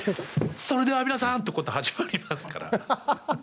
それでは皆さん！とこう始まりますから。